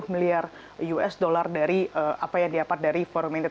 satu miliar usd dari apa yang didapat dari forum ini